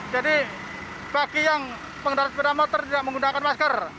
jadi bagi yang pengendara sepeda motor tidak menggunakan masker